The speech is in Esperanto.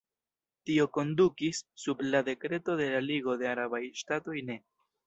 Tio kondukis, sub la dekreto de la Ligo de Arabaj Ŝtatoj ne.